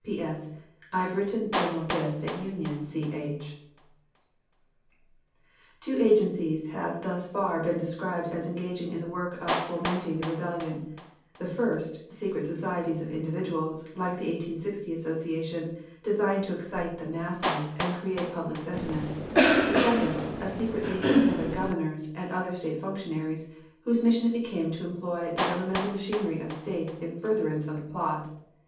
P.S. I have written General Gist at Union C.H. Two agencies have thus far been described as engaged in the work of fomenting the rebellion: the first, secret societies of individuals, like "The 1860 Association," designed to excite the masses and create public sentiment; the second, a secret league of Southern governors and other State functionaries, whose mission it became to employ the governmental machinery of States in furtherance of the plot.